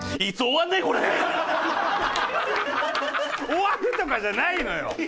終わるとかじゃないのよ。